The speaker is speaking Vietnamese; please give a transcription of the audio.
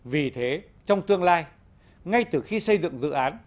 vì thế trong tương lai ngay từ khi xây dựng dự án